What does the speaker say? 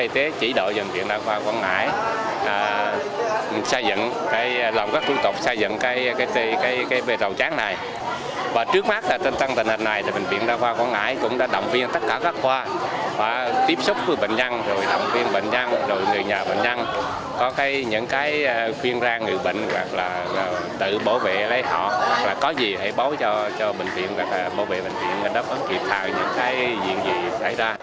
tiếp tục bảo vệ bệnh viện đáp ứng kịp thảo những cái diện dị xảy ra